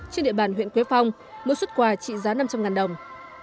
trên địa bàn huyện quế phong mỗi xuất quà trị giá năm trăm linh đồng